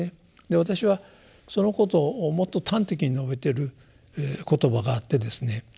で私はそのことをもっと端的に述べている言葉があってですね。